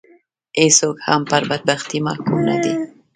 هېڅوک هم پر بدبختي محکوم نه دي